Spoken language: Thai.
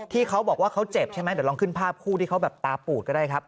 เขาบอกว่าเขาเจ็บใช่ไหมเดี๋ยวลองขึ้นภาพคู่ที่เขาแบบตาปูดก็ได้ครับ